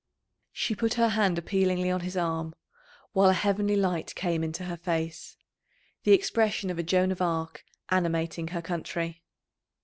She put her hand appealingly on his arm, while a heavenly light came into her face the expression of a Joan of Arc animating her country.